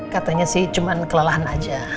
katanya sih cuma kelelahan aja